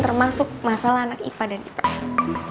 termasuk masalah anak ipa dan ipas